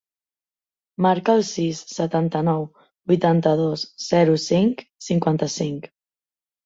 Marca el sis, setanta-nou, vuitanta-dos, zero, cinc, cinquanta-cinc.